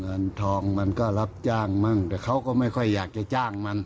เงินทองมันก็รับจ้างมั่งแต่เขาก็ไม่ค่อยอยากจะจ้างมัน